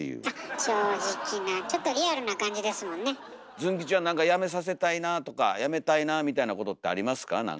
ズン吉はなんかやめさせたいなとかやめたいなみたいなことってありますか？